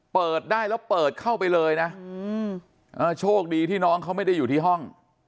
เปิดได้แล้วเปิดเข้าไปเลยนะโชคดีที่น้องเขาไม่ได้อยู่ที่ห้อง